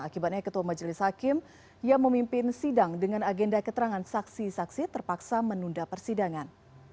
akibatnya ketua majelis hakim yang memimpin sidang dengan agenda keterangan saksi saksi terpaksa menunda persidangan